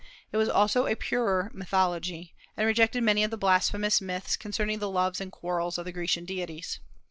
It was also a purer mythology, and rejected many of the blasphemous myths concerning the loves and quarrels of the Grecian deities.